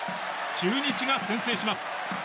中日が先制します。